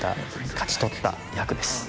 勝ち取った役です